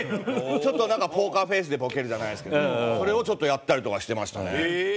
ちょっとポーカーフェイスでボケるじゃないですけどそれをちょっとやったりとかしてましたね。